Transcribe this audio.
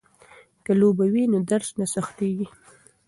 که لوبه وي نو درس نه سختيږي.